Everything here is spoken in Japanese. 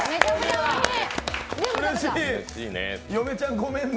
嫁ちゃんごめんな。